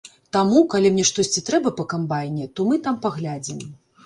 Таму, калі мне штосьці трэба па камбайне, то мы там паглядзім.